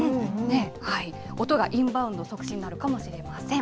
音がインバウンド促進になるかもしれません。